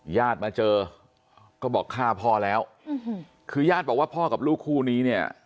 ญาติมาเจอก็บอกฆ่าพ่อแล้วคือญาติบอกว่าพ่อกับลูกคู่นี้เนี่ย